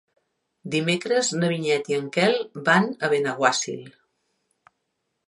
Dimecres na Vinyet i en Quel van a Benaguasil.